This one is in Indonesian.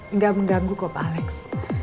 enggak mengganggu kok pak alex